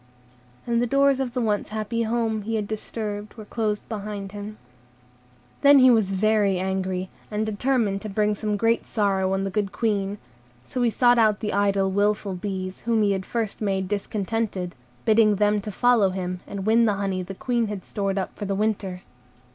And the doors of the once happy home he had disturbed were closed behind him. Then he was very angry, and determined to bring some great sorrow on the good Queen. So he sought out the idle, wilful bees, whom he had first made discontented, bidding them follow him, and win the honey the Queen had stored up for the winter.